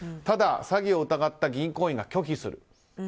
ただ、詐欺を疑った銀行員が拒否する。